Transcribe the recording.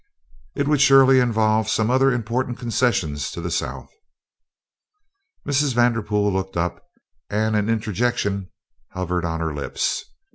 "It would surely involve some other important concession to the South." Mrs. Vanderpool looked up, and an interjection hovered on her lips.